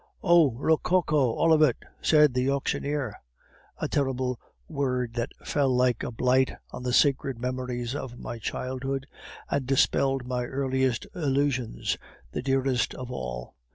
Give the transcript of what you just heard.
"'Oh, rococo, all of it!' said the auctioneer. A terrible word that fell like a blight on the sacred memories of my childhood, and dispelled my earliest illusions, the dearest of all.